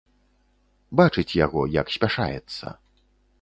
Бачыць яго, як спяшаецца.